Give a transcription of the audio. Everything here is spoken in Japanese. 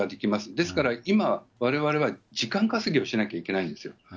ですから今、われわれは時間稼ぎをしなきゃいけないんですよ。